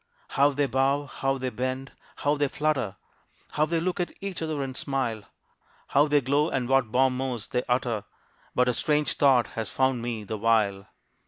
How they bow, how they bend, how they flutter, How they look at each other and smile, How they glow, and what bon mots they utter! But a strange thought has found me the while!